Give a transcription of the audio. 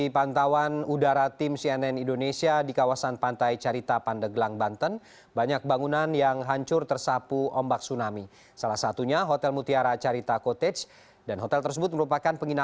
pantai ini menjadi spot terbaik untuk melihat sunset